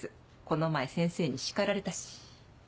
この前先生に叱られたし。